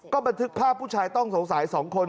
ก็บันทึกภาพผู้ชายต้องสงสัย๒คน